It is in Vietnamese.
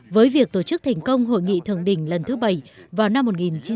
với việc tổ chức thành công hội nghị thường đình lần thứ bảy vào năm một nghìn chín trăm chín mươi bảy